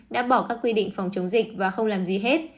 đã bỏ các quy định phòng chống dịch và không làm gì hết